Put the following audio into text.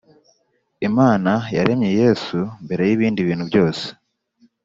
Imana yaremye Yesu mbere y ibindi bintu byose